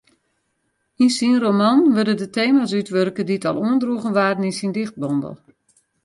Yn syn roman wurde de tema's útwurke dy't al oandroegen waarden yn syn dichtbondel.